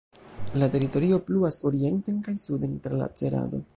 La teritorio pluas orienten kaj suden tra la Cerado.